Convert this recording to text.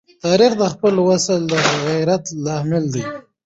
تاریخ د خپل ولس د غیرت لامل دی.